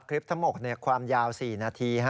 คลิปถมกความยาว๔นาที